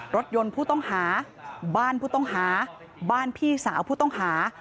รถยนต์ผู้ต้องหาบ้านผู้ต้องหาบ้านพี่สาวผู้ต้องหา